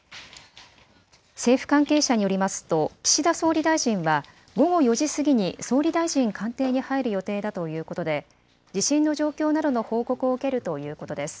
政府関係者によりますと岸田総理大臣は午後４時過ぎに総理大臣官邸に入る予定だということで地震の状況などの報告を受けるということです。